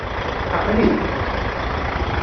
Aql-i!